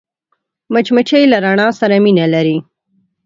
مچمچۍ له رڼا سره مینه لري